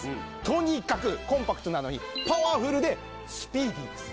とにかくコンパクトなのにパワフルでスピーディーです